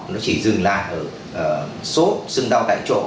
nó chỉ dừng lại ở sốt sưng đau tại chỗ